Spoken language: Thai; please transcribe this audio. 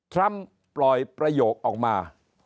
ทรัมป์ปล่อยประโยคออกมา